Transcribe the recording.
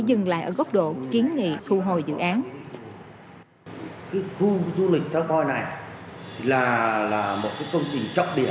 ước độ kiến nghị thu hồi dự án